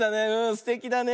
すてきだね。